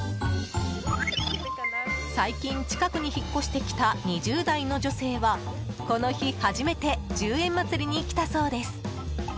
最近、近くに引っ越してきた２０代の女性はこの日初めて１０円祭りに来たそうです。